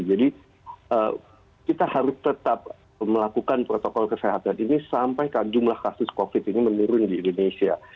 jadi kita harus tetap melakukan protokol kesehatan ini sampai jumlah kasus covid ini menurun di indonesia